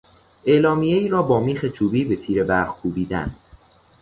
اعلامیهای را با میخ چوبی به تیر برق کوبیدن